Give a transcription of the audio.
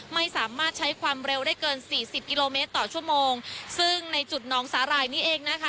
ไม่สามารถใช้ความเร็วได้เกินสี่สิบกิโลเมตรต่อชั่วโมงซึ่งในจุดน้องสาหร่ายนี้เองนะคะ